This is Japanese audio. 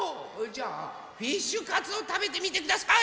じゃあフィッシュカツをたべてみてください！